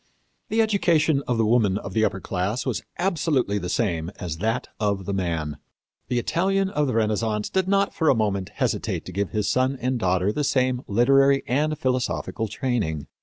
"The education of the woman of the upper class was absolutely the same as that of the man. The Italian of the Renaissance did not for a moment hesitate to give his son and daughter the same literary and philosophical training.